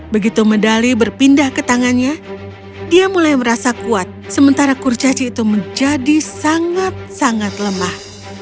begitu medali berpindah ke tangannya dia mulai merasa kuat sementara kurcaci itu menjadi sangat sangat lemah